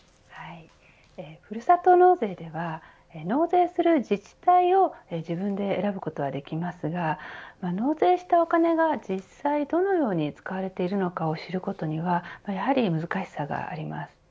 ふるさと納税では納税する自治体を自分で選ぶことはできますが納税したお金が実際どのように使われているかを知ることにはやはり難しさがあります。